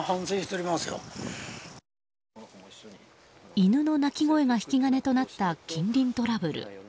犬の鳴き声が引き金となった近隣トラブル。